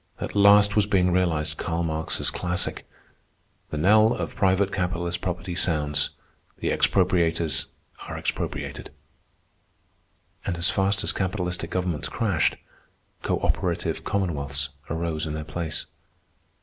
At last was being realized Karl Marx's classic: "The knell of private capitalist property sounds. The expropriators are expropriated." And as fast as capitalistic governments crashed, cooperative commonwealths arose in their place.